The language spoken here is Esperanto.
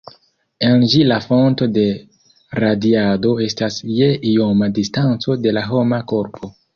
En ĝi la fonto de radiado estas je ioma distanco de la homa korpo.